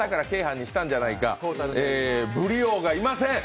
鰤王がいません！